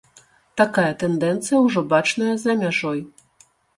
Такая тэндэнцыя ўжо бачная за мяжой.